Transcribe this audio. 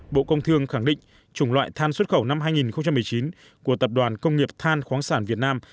bộ công thương khẳng định chủng loại than xuất khẩu năm hai nghìn một mươi chín của tập đoàn công nghiệp than khoáng sản việt nam